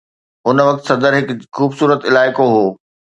ان وقت صدر هڪ خوبصورت علائقو هو.